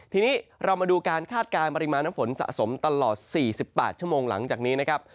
ทีนี้เรามาดูการคาดการณ์ปริมาณน้ำฝนสะสมตลอด๔๘ชั่วโมงหลังจากนี้นะครับ